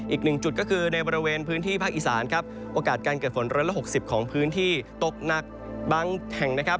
อีกหนึ่งจุดก็คือในบริเวณพื้นที่ภาคอีสานครับโอกาสการเกิดฝน๑๖๐ของพื้นที่ตกหนักบางแห่งนะครับ